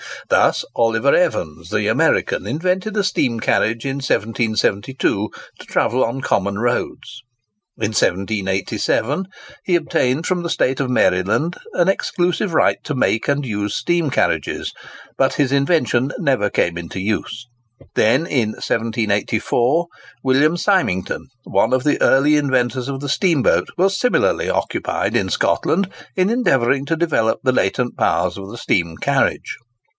Thus Oliver Evans, the American, invented a steam carriage in 1772 to travel on common roads; in 1787 he obtained from the State of Maryland an exclusive right to make and use steam carriages, but his invention never came into use. Then, in 1784, William Symington, one of the early inventors of the steamboat, was similarly occupied in Scotland in endeavouring to develop the latent powers of the steam carriage.